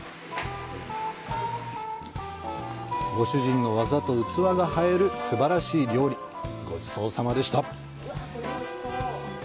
ご主人の技と器が映えるすばらしい料理、ごちそうさまでした。